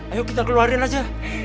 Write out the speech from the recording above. ayo kita keluarin aja